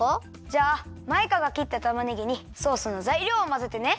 じゃあマイカがきったたまねぎにソースのざいりょうをまぜてね。